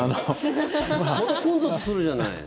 また混雑するじゃない。